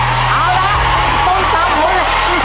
เอาล่ะต้องจับหลุด